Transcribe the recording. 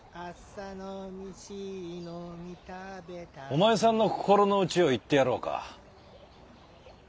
お前さんの心の内を言ってやろうか。